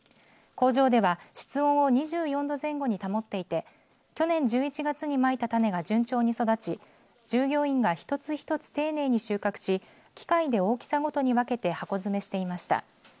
工場では室温を２４度前後に保っていて去年１１月にまいた種が順調に育ち従業員が一つ一つ丁寧に収穫し機械で大きさごとに分けて箱詰めしていました。